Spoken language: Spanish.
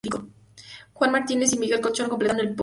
Juan Martínez y Miguel Colchón completaron el podio.